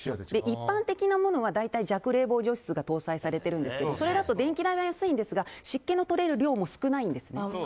一般的なものは大体、弱冷房除湿が搭載されているんですがそれだと電気代は安いんですが湿気の取れる量も少ないんです。